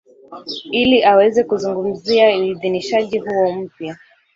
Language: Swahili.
ili aweze kuzungumzia uidhinishaji huo mpya